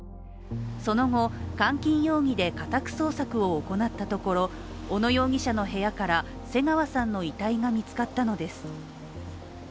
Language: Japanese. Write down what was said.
その後、監禁容疑で家宅捜索を行ったところ小野容疑者の部屋から瀬川さんの遺体が見つかったのです。